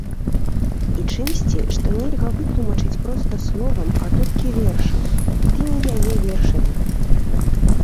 І чымсьці, што нельга вытлумачыць проста словам, а толькі вершам, тымі яе вершамі.